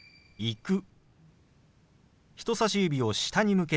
「行く」。